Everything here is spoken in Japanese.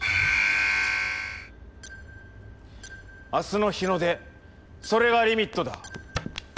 明日の日の出それがリミットだ。